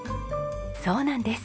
そうなんです。